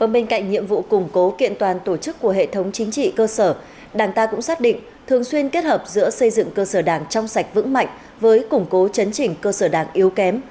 bên cạnh nhiệm vụ củng cố kiện toàn tổ chức của hệ thống chính trị cơ sở đảng ta cũng xác định thường xuyên kết hợp giữa xây dựng cơ sở đảng trong sạch vững mạnh với củng cố chấn chỉnh cơ sở đảng yếu kém